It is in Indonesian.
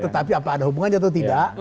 tetapi apa ada hubungannya atau tidak